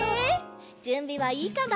じゅんびはいいかな？